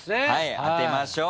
当てましょう。